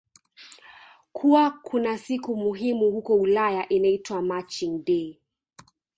kuwa kunasiku muhimu huko Ulaya inaitwa marching day